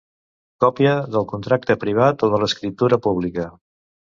Còpia del contracte privat o de l'escriptura pública.